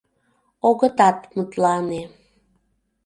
Огытат мутлане.